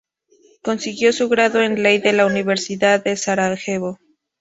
Consiguió su grado en ley de la Universidad de Sarajevo.